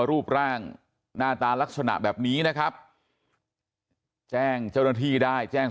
รูปร่างหน้าตาลักษณะแบบนี้นะครับแจ้งเจ้าหน้าที่ได้แจ้ง